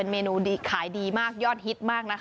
เมนูขายดีมากยอดฮิตมากนะคะ